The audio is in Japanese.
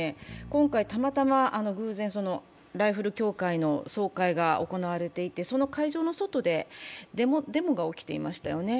今回、たまたま偶然ライフル協会の総会が行われていて、その会場の外でデモが起きていましたよね。